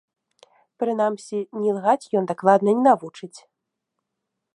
Прынамсі, не ілгаць ён дакладна не навучыць.